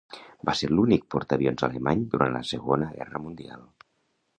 Va ser l'únic portaavions alemany durant la Segona Guerra Mundial.